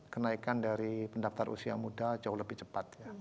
kenaikan dari pendaftar usia muda jauh lebih cepat